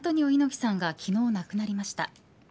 猪木さんが昨日、亡くなりました。